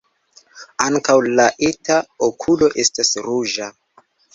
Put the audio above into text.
Ankaŭ la eta okulo estas ruĝa.